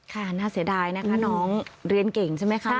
น่าเสียดายนะคะน้องเรียนเก่งใช่ไหมคะ